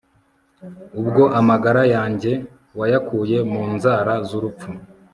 ubwo amagara yanjye wayakuye mu nzara z'urupfu